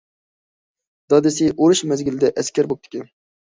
دادىسى ئۇرۇش مەزگىلىدە ئەسكەر بوپتىكەن.